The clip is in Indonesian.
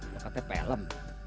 lo katanya pelem